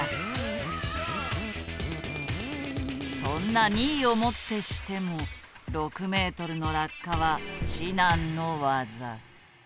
そんな新居をもってしても６ｍの落下は至難の業。